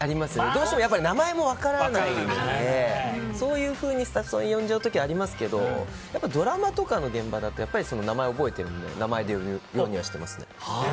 どうしても名前も分からないのでそういうふうにスタッフさんを呼んじゃったりしますけどドラマとかの現場だと名前を覚えてるので名前で呼ぶようにはしています。